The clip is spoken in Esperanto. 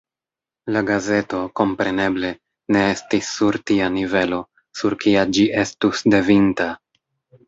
La gazeto, kompreneble, ne estis sur tia nivelo, sur kia ĝi estus devinta.